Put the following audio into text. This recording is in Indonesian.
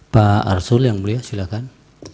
baik dari pak arsul yang mulia silakan